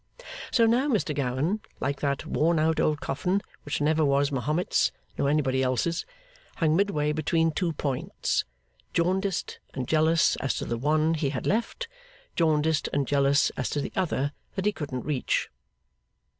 So now Mr Gowan, like that worn out old coffin which never was Mahomet's nor anybody else's, hung midway between two points: jaundiced and jealous as to the one he had left: jaundiced and jealous as to the other that he couldn't reach.